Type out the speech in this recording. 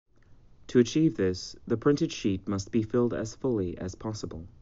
To achieve this, the printed sheet must be filled as fully as possible.